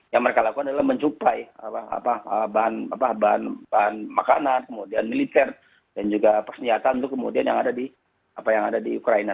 yang mereka lakukan adalah mencupai bahan makanan kemudian militer dan juga persenjataan itu kemudian yang ada di ukraina